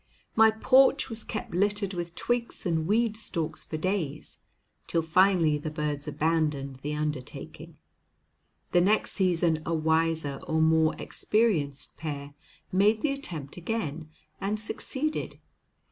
My porch was kept littered with twigs and weed stalks for days, till finally the birds abandoned the undertaking. The next season a wiser or more experienced pair made the attempt again, and succeeded.